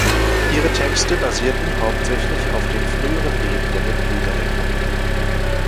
Ihre Texte basierten hauptsächlich auf dem früheren Leben der Mitglieder der Gruppe.